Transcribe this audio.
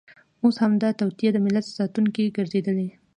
اوس همدا توطیه د ملت ساتونکې ګرځېدلې.